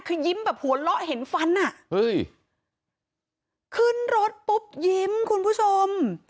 คือยิ้มแบบหัวเราะเห็นฟันอ่ะเฮ้ยขึ้นรถปุ๊บยิ้มคุณผู้ชม